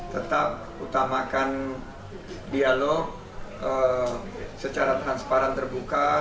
tetap utamakan dialog secara transparan terbuka